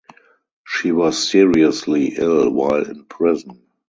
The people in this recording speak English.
She was seriously ill while in prison.